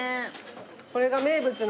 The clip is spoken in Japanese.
これが名物の。